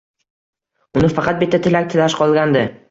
Unda faqat bitta tilak tilash qolgandi.